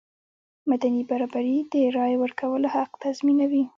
مدني برابري د رایې ورکولو حق تضمینوي.